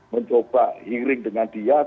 mencoba hearing dengan dia